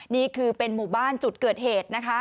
นี่คือเป็นหมู่บ้านจุดเกิดเหตุนะคะ